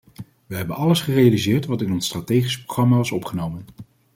Wij hebben alles gerealiseerd wat in ons strategische programma was opgenomen.